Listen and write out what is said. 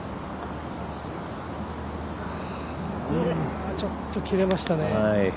ああ、ちょっと切れましたね